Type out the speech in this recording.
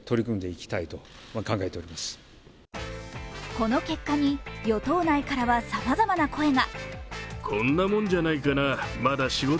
この結果に、与党内からはさまざまな声が。